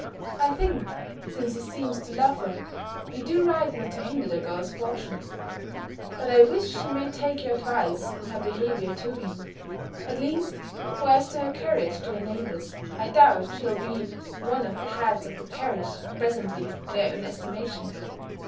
I think, since he seems to love her, you do right not to hinder the girl's fortune. But I wish she may take your advice, in her behaviour to him, at least: for as to her carriage to her neighbours, I doubt she'll be one of the heads of the parish, presently, in her own estimation.